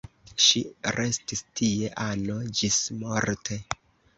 Ŝi restis tie ano ĝismorte.